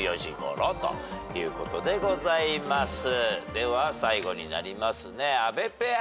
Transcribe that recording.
では最後になりますね阿部ペア。